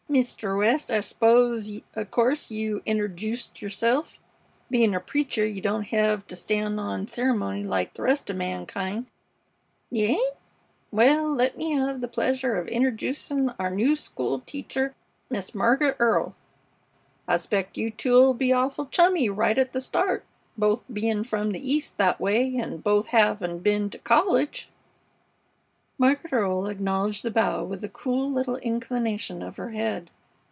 "Mr. West, I 'spose, o' course, you interjuced yerself? Bein' a preacher, you don't hev to stan' on ceremony like the rest of mankind. You 'ain't? Well, let me hev the pleasure of interjucin' our new school teacher, Miss Margaret Earle. I 'spect you two 'll be awful chummy right at the start, both bein' from the East that way, an' both hevin' ben to college." Margaret Earle acknowledged the bow with a cool little inclination of her head.